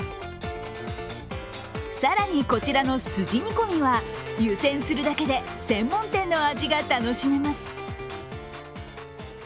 更に、こちらのすじ煮込みは湯煎するだけで専門店の味が楽しめます。